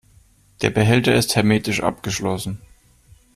Der Behälter ist hermetisch abgeschlossen.